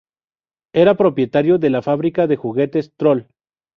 Era propietario de la fábrica de juguetes Trol.